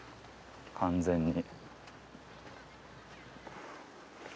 完全に。